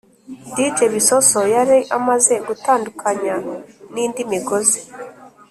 dj bisosso yari amaze gutandukanya n’indi migozi,